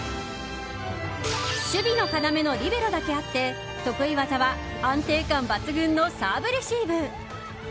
守備の要のリベロだけあって得意技は安定感抜群のサーブレシーブ。